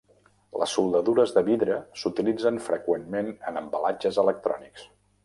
Les soldadures de vidre s'utilitzen freqüentment en embalatges electrònics.